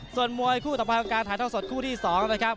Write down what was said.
ส่วนมวยคู่ต่อการถ่ายท่อสดคู่ที่๒นะครับ